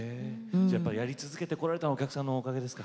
じゃあやり続けてこられたのはお客さんのおかげですか？